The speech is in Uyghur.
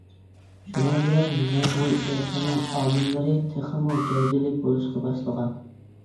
شۇنىڭ بىلەن موڭغۇل ئىرقىنىڭ ئامىللىرى تېخىمۇ گەۋدىلىك بولۇشقا باشلىغان.